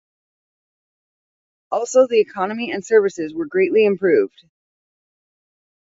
Also the economy and services were greatly improved.